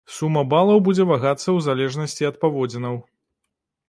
Сума балаў будзе вагацца ў залежнасці ад паводзінаў.